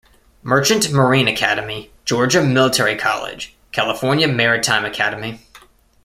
Merchant Marine Academy, Georgia Military College, California Maritime Academy.